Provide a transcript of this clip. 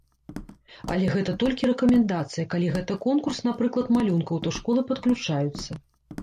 Але гэта толькі рэкамендацыя, калі гэта конкурс, напрыклад, малюнкаў, то школы падключаюцца.